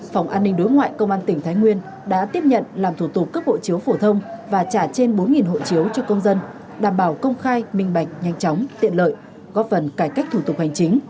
phòng an ninh đối ngoại công an tỉnh thái nguyên đã tiếp nhận làm thủ tục cấp hộ chiếu phổ thông và trả trên bốn hộ chiếu cho công dân đảm bảo công khai minh bạch nhanh chóng tiện lợi góp phần cải cách thủ tục hành chính